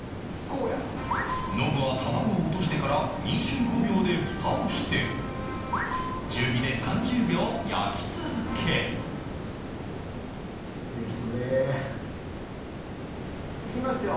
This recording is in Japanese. ノブは卵を落としてから２５秒で蓋をして中火で３０秒焼き続けるできてくれ。いきますよ。